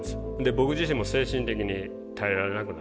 僕自身も精神的に耐えられなくなったんで。